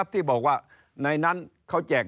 ที่บอกว่าในนั้นเขาแจก